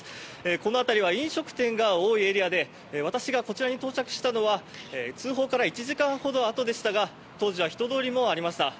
この辺りは飲食店が多いエリアで私がこちらに到着したのは通報から１時間ほどあとでしたが当時は人通りもありました。